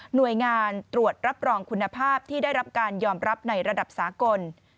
หน่วยงานตรวจรับรองคุณภาพที่ได้รับการยอมรับในระดับสากล